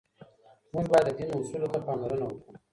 موږ باید د دین اصولو ته پاملرنه وکړو.